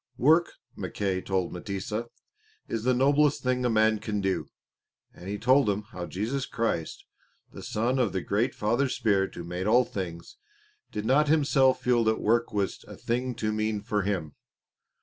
Work, Mackay told M'tesa, is the noblest thing a man can do, and he told him how Jesus Christ, the Son of the Great Father Spirit who made all things, did not Himself feel that work was a thing too mean for Him.